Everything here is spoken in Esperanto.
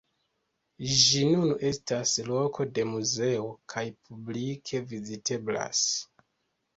Ĝi nun estas loko de muzeo, kaj publike viziteblas.